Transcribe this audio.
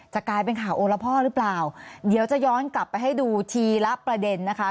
กลายเป็นข่าวโอละพ่อหรือเปล่าเดี๋ยวจะย้อนกลับไปให้ดูทีละประเด็นนะคะ